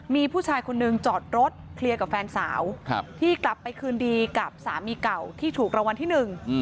มีผู้ชายคนนึงจอดรถเคลียร์กับแฟนสาวที่กลับไปคืนดีกับสามีเก่าที่ถูกรางวัลที่หนึ่ง